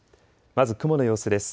まず雲の様子です。